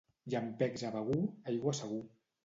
Llampecs a Begur, aigua segur.